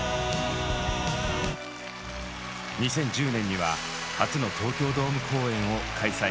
２０１０年には初の東京ドーム公演を開催。